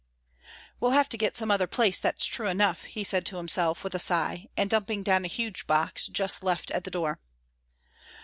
"We'll have to get some other place, and that's true enough," he said to himself, with a sigh, and dumping down a huge box just left at the door.